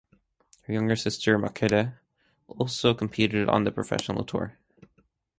Her younger sister Marketa also competed on the professional tour.